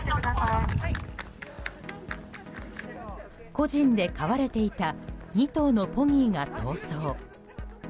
個人で飼われていた２頭のポニーが逃走。